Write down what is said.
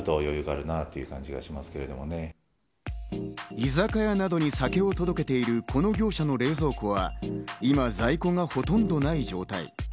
居酒屋などに酒を届けているこの業者の冷蔵庫は、今、在庫はほとんどない状態。